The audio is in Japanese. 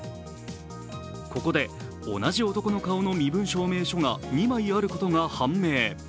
ここで、同じ男の顔の身分証明書が２枚あることが判明。